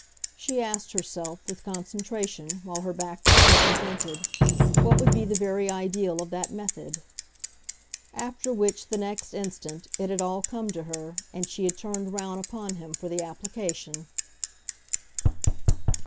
She asked herself, with concentration, while her back was still presented, what would be the very ideal of that method; after which, the next instant, it had all come to her and she had turned round upon him for the application.